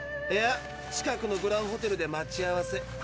いや近くのグランホテルで待ち合わせ。